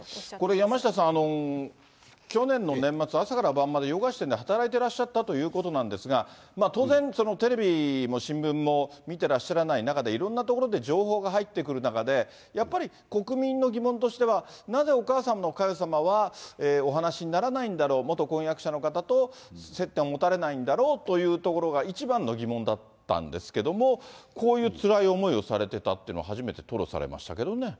山下さん、去年の年末、朝から晩まで洋菓子店で働いてらっしゃったということなんですが、当然、テレビも新聞も見てらっしゃらない中で、いろんなところで情報が入ってくる中で、やっぱり国民の疑問としては、なぜお母さんの佳代さんはお話にならないんだろう、元婚約者の方と接点を持たれないんだろうというところが一番の疑問だったんですけれども、こういうつらい思いをされてたっていうのは、初めて吐露されましたけどね。